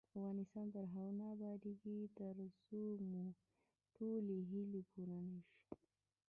افغانستان تر هغو نه ابادیږي، ترڅو مو ټولې هیلې پوره نشي.